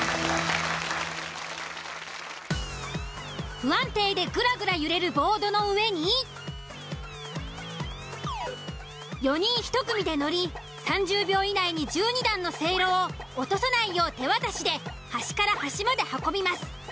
不安定でぐらぐら揺れるボードの上に４人１組で乗り３０秒以内に１２段のセイロを落とさないよう手渡しで端から端まで運びます。